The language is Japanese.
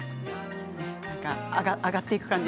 上がっていく感じ